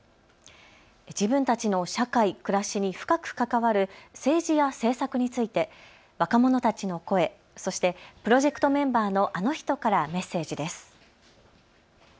自分たちの社会、暮らしに深く関わる政治や政策について若者たちの声、そしてプロジェクトメンバーのあの人からメッセージです。